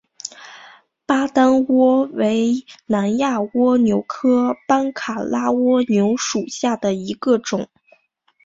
巴丹蜗为南亚蜗牛科班卡拉蜗牛属下的一个种。